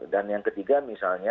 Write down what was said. dan yang ketiga misalnya